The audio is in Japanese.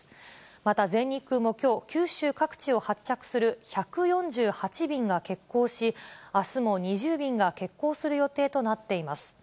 また全日空もきょう、九州各地を発着する１４８便が欠航し、あすも２０便が欠航する予定となっています。